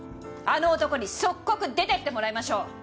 あの男に即刻出ていってもらいましょう！